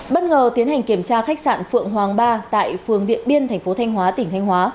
bất ngờ tiến hành kiểm tra khách sạn phượng hoàng ba tại phường điện biên thành phố thanh hóa tỉnh thanh hóa